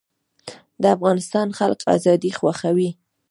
د افغانستان خلک ازادي خوښوي